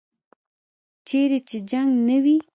چیرې چې جنګ نه وي.